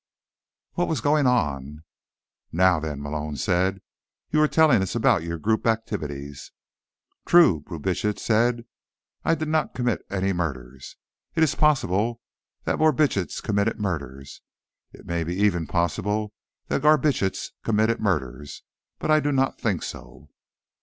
What was going on? "Now, then," Malone said. "You were telling us about your group activities." "True," Brubitsch said. "I did not commit any murders. It is possible that Borbitsch committed murders. It is maybe even possible that Garbitsch committed murders. But I do not think so."